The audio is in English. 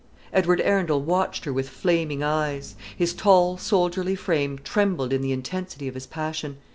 Edward Arundel watched her with flaming eyes. His tall soldierly frame trembled in the intensity of his passion.